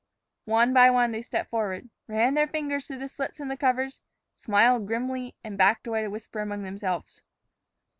One by one they stepped forward, ran their fingers through the slits in the covers, smiled grimly, and backed away to whisper among themselves.